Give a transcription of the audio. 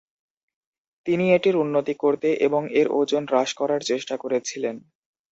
তিনি এটির উন্নতি করতে এবং এর ওজন হ্রাস করার চেষ্টা করেছিলেন।